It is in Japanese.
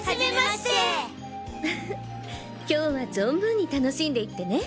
うふっ今日は存分に楽しんでいってね！